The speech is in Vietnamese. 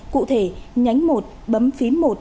cụ thể nhánh một bấm phím một